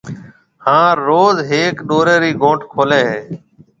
ھان روز ھيَََڪ ڏورَي رِي گھونٺ کولَي ھيََََ